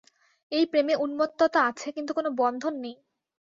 এ প্রেমে উন্মত্ততা আছে, কিন্তু কোন বন্ধন নেই।